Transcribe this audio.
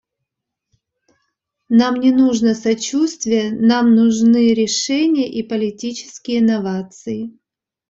Нам не нужно сочувствие; нам нужны решения и политические новации.